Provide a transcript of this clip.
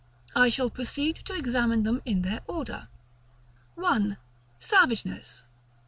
I shall proceed to examine them in their order. § VII. 1. SAVAGENESS.